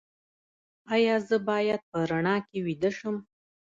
ایا زه باید په رڼا کې ویده شم؟